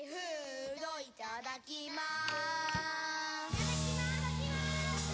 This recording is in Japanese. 「いただきます」